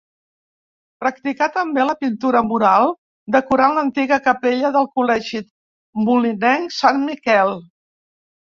Practicà també la pintura mural decorant l’antiga capella del col·legi molinenc Sant Miquel.